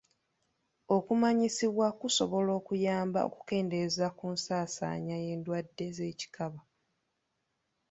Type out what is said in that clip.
Okumanyisibwa kusobola okuyamba okukendeeza ku nsaansaanya y'endwadde z'ekikaba.